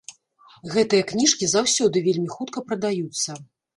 Гэтыя кніжкі заўсёды вельмі хутка прадаюцца.